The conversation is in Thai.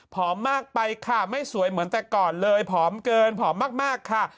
มากไปค่ะไม่สวยเหมือนแต่ก่อนเลยผอมเกินผอมมากค่ะ